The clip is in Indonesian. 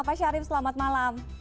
pak syarif selamat malam